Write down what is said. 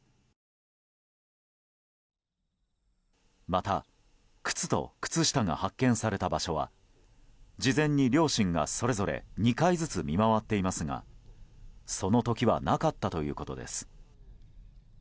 また靴と靴下が発見された場所は事前に両親が、それぞれ２回ずつ見回っていますがその時はなかったということです。